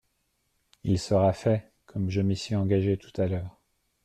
Il sera fait, comme je m’y suis engagé tout à l’heure.